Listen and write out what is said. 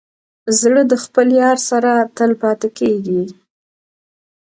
زړه د خپل یار سره تل پاتې کېږي.